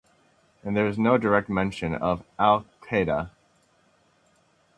And there is no direct mention of Al-Qaeda.